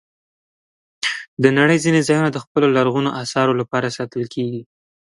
د نړۍ ځینې ځایونه د خپلو لرغونو آثارو لپاره ساتل کېږي.